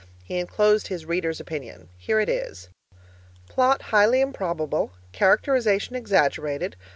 He enclosed his reader's opinion. Here it is: 'Plot highly improbable. Characterization exaggerated.